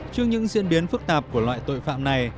trước những diễn biến phức tạp của loại tội phạm này